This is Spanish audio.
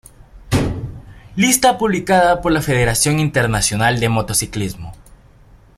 Lista publicada por la Federación Internacional de Motociclismo.